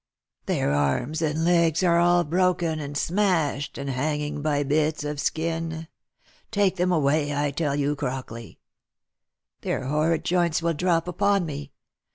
Their arms and legs are all broken and smashed, and hanging by bits of skin. Take them away, I tell you, Crockley ! Their horrid joints will drop upon me